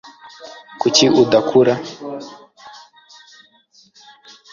kuki udakura